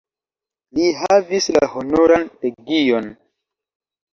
Li havis la Honoran legion.